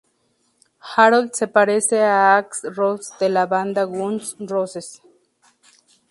Harold se parece a Axl Rose de la banda Guns N' Roses.